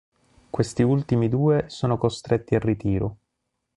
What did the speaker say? Questi ultimi due sono costretti al ritiro.